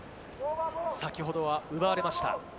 先ほどは奪われました。